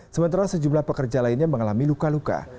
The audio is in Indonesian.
sementara sejumlah pekerja lainnya mengalami luka luka